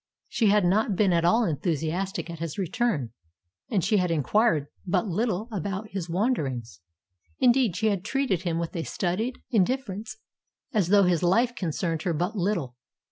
She had not been at all enthusiastic at his return, and she had inquired but little about his wanderings. Indeed, she had treated him with a studied indifference, as though his life concerned her but little.